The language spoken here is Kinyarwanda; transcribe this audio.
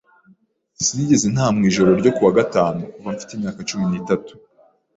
Sinigeze ntaha mu ijoro ryo ku wa gatanu kuva mfite imyaka cumi n'itatu.